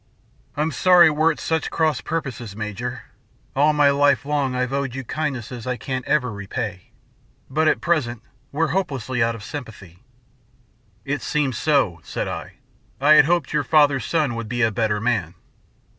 "I'm sorry we're at such cross purposes, Major. All my life long I've owed you kindnesses I can't ever repay. But at present we're hopelessly out of sympathy!" "It seems so," said I. "I had hoped your father's son would be a better man!"